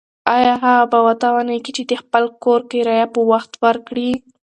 ایا هغه به وتوانیږي چې د خپل کور کرایه په وخت ورکړي؟